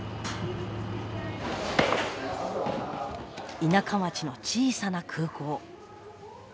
田舎町の小さな空港。